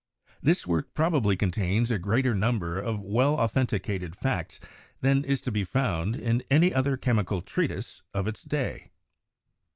This work probably con tains a greater number of well authenticated facts than is to be found in any other chemical treatise of its day.